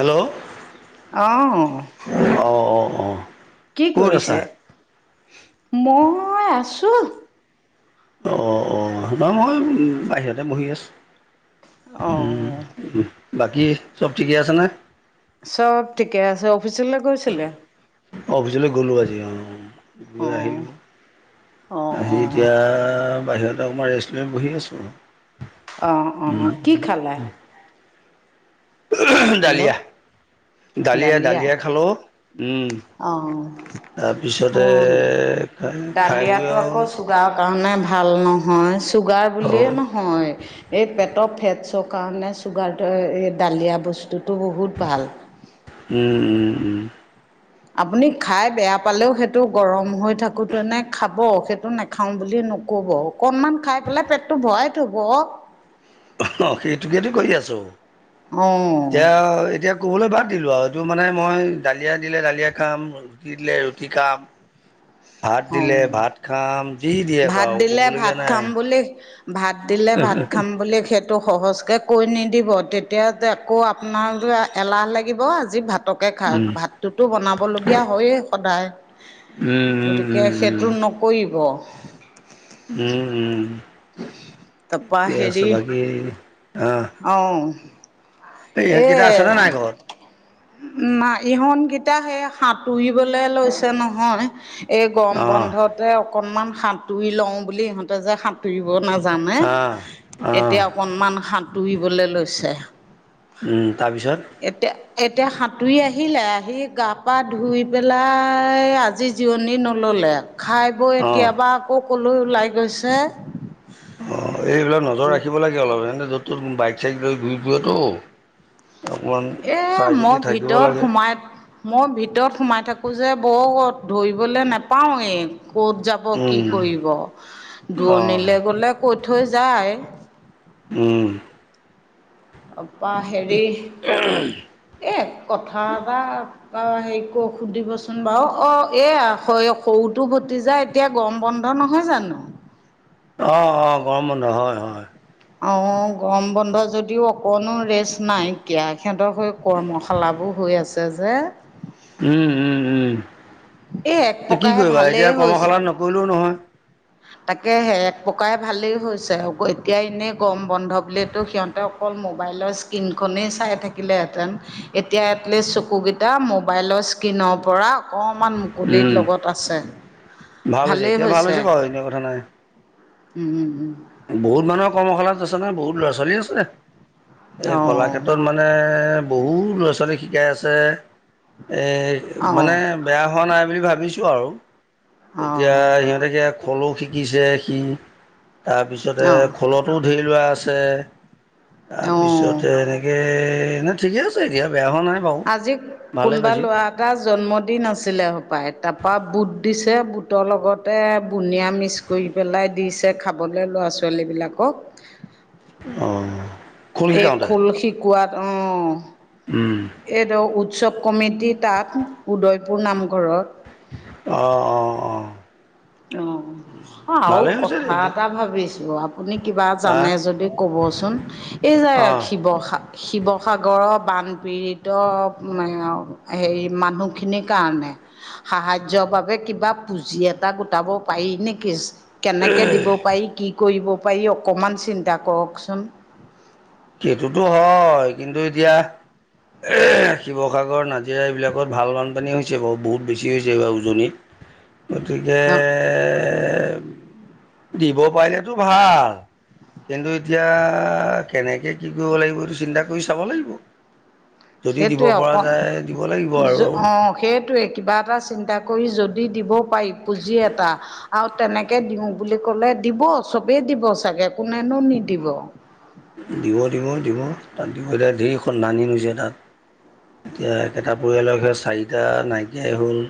Hello অ', অ', অ', অ', কি কৰিছে? মই আছোঁ অ', অ', না মই বাহিৰতে বহি আছোঁ। উম, অ' বাকী চব ঠিকে আছে নে? চব ঠিকে আছে, অফিচলৈ গৈছিলে? অফিচলৈ গ'লো আজি অ', গৈ অ' আহিলোঁ, অ' আহি অ' এতিয়া বাহিৰত [unintelligible] ৰেষ্টুৰেণ্ট বহি আছোঁ অ' উম, অ' কি খালা? উম হেল্ল' ডালিয়া, ডালিয়া, ডালিয়া খালো উম, অ' তাৰপিছতে অ' খাই বৈ আৰু চুগাৰ কাৰণে ভাল নহয়, চুগাৰ আৰু বুলিয়ে নহয় এই পেটৰ ফেটছৰ কাৰণে চুগাৰটো এই দালিয়া বস্তুটো বহুত ভাল। উম, উম, উম আপুনি খাই বেয়া পালেও সেইটো গৰম হৈ থাকোঁতেনে খাব সেইটো নাখাওঁ বুলি নক'ব অকণমান খাই পেলাই পেটটো ভৰাই থ'ব। অ', সেইটোকেতো কৰি আছোঁ, এতিয়া এতিয়া ক'বলৈ বাদ দিলো আৰু এইটো মানে মই ডালিয়া দিলে দালিয়া খাম ৰুটি দিলে ৰুটি খাম ভাত দিলে অঁ ভাত খাম যি দিয়েক ভাত আৰু দিলে ক'ব লগীয়া ভাত খাম নাই ভাত দিলে ভাত খাম বুলি সেইটো সহজ কৈ নিদিব, তেতিয়া যে আকৌ আপোনাৰ এলাহ লাগিব আজি ভাত পতকে খাই উম ভাতটোতো বনাবলগীয়া হয়য়ে সদায় উম, উম কে উম সেইটো নকৰিব। উম, উম, তাৰপৰা ঠিকে আছে বাকী আ, অ', এই আছেনে নাই ঘৰত না ইহতকেইটা সেই সাঁতুৰিবলৈ লৈছে নহয় এই গৰম অঁ বন্ধতে অকণমান সাঁতুৰি লওঁ বুলি ইিহঁতে যে সাঁতুৰিব নাজানে অঁ অঁ এতিয়া অকণমান সাঁতুৰিবলৈ লৈছে। উম, তাৰপিছত? এতিয়া এতিয়া সাঁতুৰি আহিলে আহি গা পা ধুই পেলাই আজি জিৰণি নল'লে খাই বৈ অঁ এতিয়াবা আকৌ ক'লৈ ওলাই গৈছে। অ', এইবিলাক নজৰ ৰাখিব লাগে অলপমান ইহঁতে য'ত তত বাইক চাইক লৈ ঘূৰি ফুৰেটো অকণমান এ চাই মই চিতি থাকিব ভিতৰত লাগে। সোমাই মই ভিতৰত সোমাই থাকোঁ যে বৰ ধৰিবলৈ নাপাওঁয়ে এই ক'ত যাব কি উম কৰিব, অঁ দূৰণিলৈ গ'লে কৈ থৈ যায়। উম তাৰপা হেৰি এ কথা এটা অ', হেৰি কৰ সুধিবচোন বাৰু অ', এয়া হয় সৰুত তোৰ ভতিজা এতিয়া গৰম বন্ধ নহয় জানো? অ', অ', গৰম বন্ধ হয়, হয়। অ', গৰম বন্ধ যদিও অকনো ৰেষ্ট নাইকীয়া সিহঁতৰ হৈ কৰ্মশালাবোৰ হৈ আছে যে উম, উম, উম, এই এক ত' কি প্ৰকাৰে কৰিবা ভালেই এতিয়া কৰ্মশালা নকৰিলেও নহয়। তাকে হে এক প্ৰকাৰ ভালেই হৈছে আকৌ এতিয়া এনেই গৰম বন্ধ বুলিয়েতো সিহঁত তে অকল মোবাইলৰ স্ক্ৰীনখনহে চাই থাকিলহেঁতেন, এতিয়া এটলিষ্ট চকু কেই টা মোবাইলৰ স্কিনৰ পৰা অকণমান উম কুলিত লগত আছে, ভালেই হৈছে। এইবিলাক কথা নাই। উম উম উম। বহুত মানুহৰ কৰ্মশালাত আছে ন, বহুত ল'ৰা ছোৱালী আছে, এই অঁ কলাক্ষেত্ৰত মই মানে বহুত ল'ৰা ছোৱালীক শিকাই আছে, এই অঁ মানে বেয়া হোৱা নাই বুলি ভাবিছোঁ আৰু, অঁ এতিয়া সিহঁতকে খলৌ শিকিছে সি। তাৰপিছতে অঁ খোলতো ধেইৰ লোৱা আছে, অঁ তাৰপিছতে কে‌, এনেই ঠিকে আছে এতিয়া বেয়া হোৱা নাই। বাৰু আজি ভালেই কোনোবা পাইছোঁ লৰা এ টা জন্মদিন আছিলে সোপাই, তাৰপৰা বুট দিছে, বুটৰ লগতে বুনিয়া মিক্স কৰি পেলাই দিছে খাবলে ল'ৰা ছোৱালীবিলাকক। অঁ। খোল এই শিকাওঁতে খোল শিকোৱাত অঁ। উম। এইটো উৎসৱ কমিটি তাত, উদয়পুৰ নামঘৰত। অঁ অঁ অঁ। অঁ, আৰু ভালেই হৈছে কথা এইবিলাক এটা ভাবিছো আ পুনি কিবা আহ জানে যদি ক'বচোন, এই যে অঁ শিৱসাগ শিৱসাগৰৰ বানপীড়িত অঁ হেৰি মানুহখিনিৰ কাৰণে সাহায্য বাবে কিবা পুজি এ টা গোটাব পাৰি নেকি, কেনেকে দিব পাৰি কি কৰিব পাৰি অকণমান চিন্তা কৰকচোন। সেইটোতো হয়, কিন্তু এতিয়া শি শিৱসাগৰ, নাজিৰা, এইবিলাকত ভাল বানপানী হৈছে বাৰু বহুত বেছি হৈছে এইবাৰ উজনিত। গতিকে অঁ দিব পাৰিলেতো ভাল, কিন্তু এতিয়া কেনেকে কি কৰিব লাগিব এইটো চিন্তা কৰি চাব লাগিব। যদি দিব সেইটোৱে পৰা অকণ যায় দিব লাগিব আৰু। অঁ সেইটোৱে কিবা এটা চিন্তা কৰি যদি দিব পাৰি পুঁজি এটা আৰু তেনেকে দিওঁ বুলি কলে দিব চবেই দিব চাগে কোনেনো নিদিব। [inaudible] এতিয়া একেটা পৰিয়ালৰ ভিতৰত চাৰিটা নাইকীয়া হ'ল।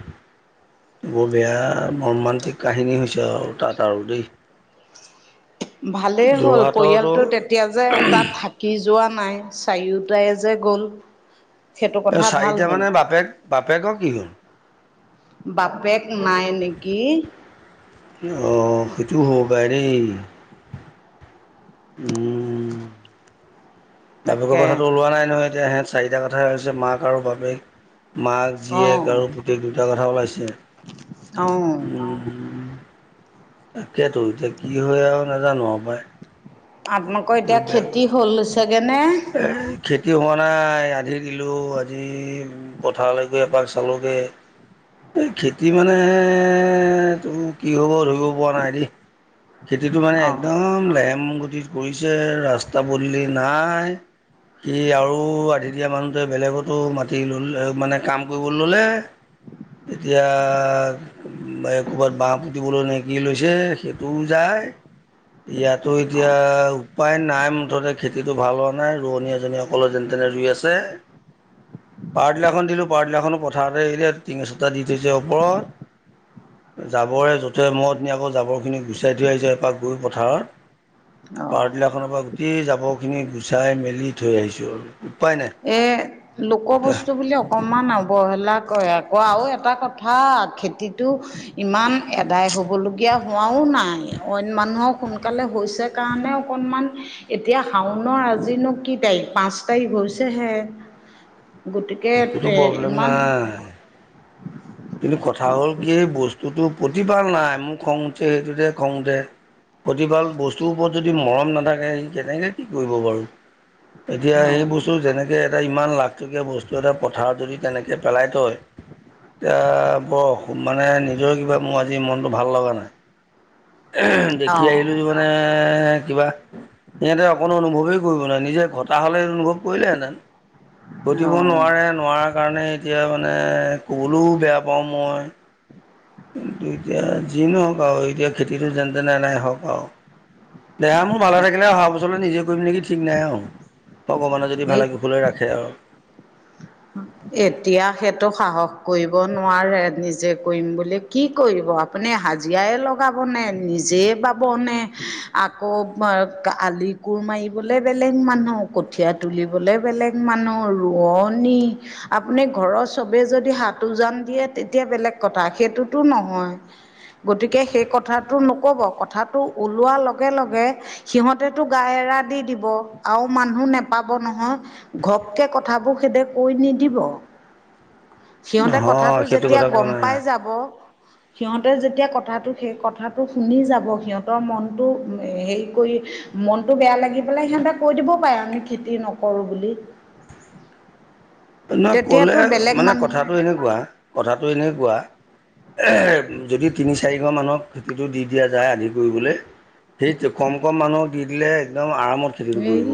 বৰ বেয়া মৰ্মান্তিক কাহিনী হৈছে আৰু তাত আৰু দেই। ভালেই হ'ল যোৰহাটতো পৰিয়ালটো তেতিয়া যে এটা থা কি যোৱা নাই চাৰিয়ো টাই যে গ'ল। সেইটো কথা ভাল চাৰিটা হ'ল মানে বাপেক বাপেক কি হল? বাপেক নাই নেকি? অ সেইটো হব পাৰে দেই। উম। বাপেকৰ তাকে কথাটো ওলোৱা নাই নহয় এতিয়া, সিহঁত চাৰিটা কথা হৈছে মাক আৰু বাপেক মাক অঁ জীয়েক আৰু পুতেক দুটা কথা ওলাইছে। অঁ তাকেতো, এতিয়া কি হয় আৰু নাজানো পাই। আপোনালোকৰ, এতিয়া বহুত বেয়া খেতি বস্তু হ'ল চাগৈনে খেতি হোৱা নাই, আধি দিলো আজি পথাৰলৈ গৈ এপাক চালোঁগে এই খেতি মানে? তো কি হ'ব ধৰিব পৰা নাই দেই। খেতিটো মানে অঁ একদম লেহেম গতিত কৰিছে, ৰাস্তা পদূলি নাই সি আৰু, আধি দিয়া মানুহটোৱে বেলেগতো মাতি ল মানে কাম কৰিবলৈ ললে এতিয়া? ক'ৰবাত বাঁহ পুতিবলৈ, নে কি লৈছে সেইটোও যায় ইয়াতো অঁ এতিয়া, উপায় নাই মুঠতে খেতিটো ভাল হওক। নাই, ৰোৱনী এজনী অকলে যেনে- তেনে ৰুই আছে পাৰতিলাখন দিলোঁ পাৰটিলাখনো পথাৰতে এৰিলে। টিঙছটা দি থৈছে ওপৰত জাবৰে যুথৰে, মই নি আকৌ জাবৰখিনি গুচাই থৈ আহিছোঁ। এপাক গৈ পথাৰত অঁ পাৱাৰতিলাৰ খনৰ পৰা, গোটেই জাবৰ খিনি গুচাই মেলি থৈ আহিছো আৰু। উপায় নাই এই লোকৰ এতিয়া বস্তু বুলি অক অকমান অৱহেলা কৰে আকৌ। আৰু এটা কথা খেতিটো ইমান আদাই হ'বলগীয়া হোৱাও নাই, অইন মানুহৰ সোনকালে হৈছে কাৰণে অকনমান, এতিয়া শাওনৰ আজিনো কি তাৰিখ? পাঁচ তাৰিখ হৈছে হৈছে হে, গতিকে সেইটোতো তে প্ৰব্লেম ইমান নাই কিন্তু কথা হ'ল কি? এই বস্তুটো প্ৰতিপাল নাই, মোক খং উঠে সেইটোতে খং উঠে প্ৰতিপাল। বস্তুৰ ওপৰত যদি মৰম নাথাকে কেনেকৈ কি কৰিব বাৰু? এতিয়া অঁ সেই বস্তু, যেনেকে এটা ইমান লাখটকীয়া বস্তু এটা, পথাৰত যদি তেনেকে পেলাই থয় এতিয়া বৰ মানে, নিজৰ কিবা মোৰ আজি মনটো ভাল লগা নাই। দেখি অঁ আহিলো যে মানে, কিবা সিহঁতে অকনো অনুভৱেই কৰিব নোৱাৰে। নিজে ঘটা হ'লে অনুভৱ কৰিলেহেঁতেন ঘটিব অঁ নোৱাৰে। নোৱাৰাৰ কাৰণে এতিয়া মানে ক'বলৈও বেয়া পাওঁ মই। কিন্তু এতিয়া যি নহওক আৰু, এতিয়া খেতিটো যেন তেনে এদাই হওঁক আৰু, দেহা মোৰ ভালে তাক থাকিলে অহা বছৰলে নিজে কৰিম নেকি ঠিক নাই আৰু, ভগৱানে যদি সেই ভালে কুশলে ৰাখে আৰু এতিয়া সেইটো সাহস কৰিব নোৱাৰে। নিজে কৰিম বুলি, কি কৰিব আপো আপুনি হাজিৰা লগাবনে, নিজে পাবনে আকৌ আলি কোৰ মাৰিবলৈ বেলেগ মানুহ, কঠীয়া তুলিবলৈ বেলেগ মানুহ, ৰোৱনী আপুনি ঘৰৰ চবেই যদি হাত উজান দিয়ে, তেতিয়া বেলেগ কথা সেইটোতো নহয়। গতিকে সেই কথাটো নক'ব। কথাটো ওলোৱাৰ লগে লগে সিহঁতেতো গা এৰা দি দিব? আৰু মানুহ নেপাব নহয়। ঘপকে, কথাবোৰ খেদে কৈ নিদিব। সিহঁতে কথাটো নহয় সেইটো যেতিয়া কথা কোৱা গম পাই নাই। যাব সিহঁতে যেতিয়া কথাটো সেই কথাটো শুনি যাব সিহঁতৰ মনটো হেৰি কৰি মনতটো বেয়া লাগি পেলাই সিহঁতে কৈ দিবও পাৰে আমি খেতি নকৰো বুলি। নহয় তেতিয়াতো কলে বেলেগ মানে, কথাটো মানুহ এনেকুৱা কথাটো এনেকোৱা যদি তিনি চাৰিঘৰ মানুহক খেতিটো দি দিয়া যায় আধি কৰিবলে সেই কম কম মানুহক দি দিলে একদম আৰামত খেতিটো এই কৰিব।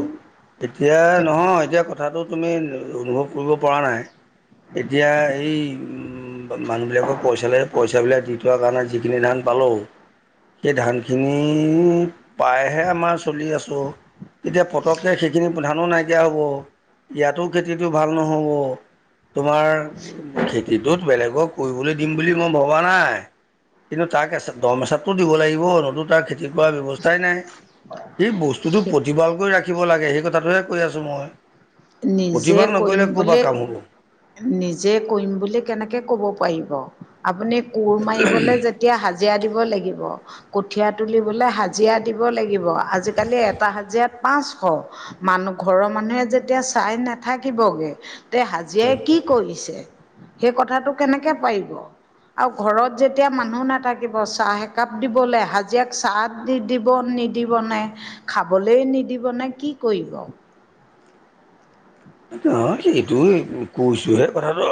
এতিয়া নহয়, এতিয়া কথাটো তুমি অনুভৱ কৰিব পৰা নাই। এতিয়া এই উ মানুহ বিলাকক পইচাে পইচা বিলাক দি থোৱা কাৰণে যিখিনি ধান পালো সেই ধানখিনি, পায়হে আমাৰ চলি আছোঁ। এতিয়া পটককে সেইখিনি ধানো নাইকিয়া হ'ব। ইয়াতো খেতিটো ভাল নহ'ব। তোমাৰ খেতিটোত বেলেগক কৰিবলে দিম বুলি মই ভবা নাই। কিন্তু তাক এচাত দম এচাতটো দিব লাগিব নতো তাক খে তি কৰা ব্যৱস্থাই নাই। সি বস্তুটো প্ৰতিপাল কৰি ৰা খিব লাগে। সেই কথাটহে কৈ আছোঁ মই। নিজে প্ৰতিপাল কৰিম নকৰিলে ক'ৰপা বোলে, কাম হ'ব নিজে কৰিম বুলি কেনেকে কব পাৰিব, আপুনি কোৰ মাৰিবলে যেত তিয়া হাজিৰা দিব লাগিব। কঠীয়া তুলিবলে হাজিৰা দিব লাগিব। আজিকালি এটা হাজিৰাত পাঁচশ। মানুহ ঘৰৰ মানুহে যেত তিয়া চাই নাথাকিবগে, তে হাজিৰাই কি কৰিছে, সেই কথাটো কেনেকে পাৰিব। আৰু ঘৰত যেতিয়া মানুহ নাথাকিব চাহ একাপ দিবলে হাজিৰাক চাহ দি দিব নিদিবনে খাবলৈই নিদিবনে কি কৰিব? এইটো নহয় কি এইটো কৈছোহে কথাটো।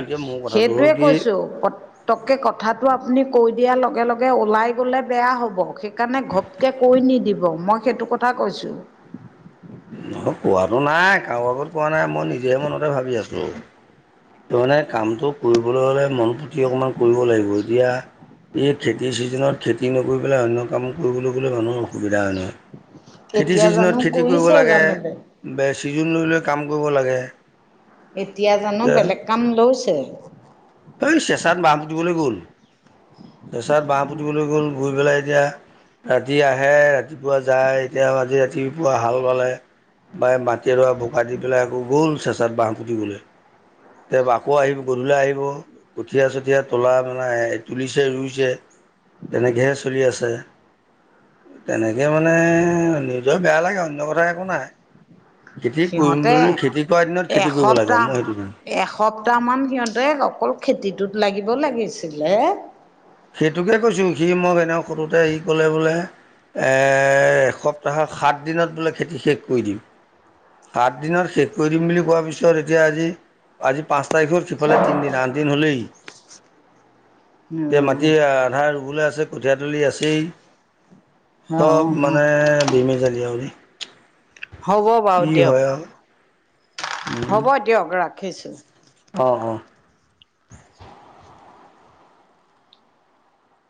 এতিয়া মোৰ কথাটো হ'ল সেইটোৱে কি কৈছো প তককে কথাটো আপুনি কৈ দিয়াৰ লগে লগে ওলাই গ'লে বেয়া হ'ব। সেইকাৰণে ঘ পকে কৈ নিদিব মই সেইটো কথা কৈছোঁ। নহয় কোৱাটো নাই কাৰো আগত কোৱা নাই মই নিজেহে মনতে ভাবি আছো। তাৰ মানে কামটো কৰিবলৈ হ'লে মন পুটি অকণমান কৰিব লাগিব। এতিয়া এই খেতিৰ ছিজনত খেতি নকৰি পেলাই অন্য কাম কৰিবলৈ গলে মানুহৰ অসুবিধা হয় নহয়। কেতিয়া জানো কৰিছে জানো দে, বে ছিজন লৈ লৈ কাম কৰিব লাগে। এতিয়া জানো বেলেগ এতিয়া কাম লৈছে? এই চেচাত বাঁহ পুতিবলে গ'ল। চেচাত বাঁহ পুতিবলৈ গ'ল গৈ পেলাই এতিয়া ৰাতি আহে ৰাতিপুৱা যায় এতিয়া আজি ৰাতিপুৱা হাল বালে, বাই মাটি এদৰা বোকা দি পেলাই আকৌ গ'ল চেঁচাত বাঁহ পুতিবলে। তে আকৌ আহিব গধূলি আহিব কঠীয়া চঠীয়া তুলা নাই তুলিছে ৰুইছে। তেনেকেহে চলি আছে। তেনেকে মানে নিজৰ বেয়া লাগে, অন্য কথা একো নাই। খেতি কৰিম সিহঁতে বুলি খেতি কৰা দিনত খেতি কৰিব লাগে মই সেইটো জানো। একসপ্তাহমান সিহঁতে অকল খেতিটোত লাগিব লাগিছিলে। সেইটোকে কৈছোঁ সি মোক এনেকে সুধোতে সি ক'লে বোলে এ একসপ্তাহত সাত দিনত বোলে খেতি শেষ কৰি দিম। সাত দিনত শেষ কৰি দিম বুলি কোৱাৰ পিছত এতিয়া আজি, আজি পাঁচ তাৰিখ হল সিফালে তিনিদিন আঠদিন হ'লেই। এতিয়া মাটি আধা ৰুবলে আছে কঠিয়াতলি আছেই। অ চব অ' মানে বেমেজালি আৰু দেই হ'ব বাৰু কি হয় দিয়ক, আৰু হ'ব দিয়ক ৰাখিছোঁ। অ অ।